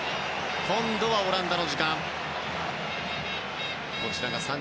今度はオランダの時間。